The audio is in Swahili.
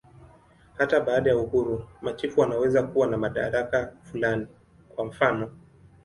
Hata baada ya uhuru, machifu wanaweza kuwa na madaraka fulani, kwa mfanof.